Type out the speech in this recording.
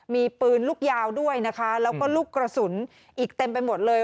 มีปืนลูกยาวด้วยนะคะแล้วก็ลูกกระสุนอีกเต็มไปหมดเลย